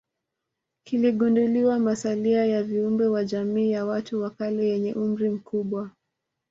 Kuligunduliwa masalia ya viumbe wa jamii ya watu wa kale yenye umri mkubwa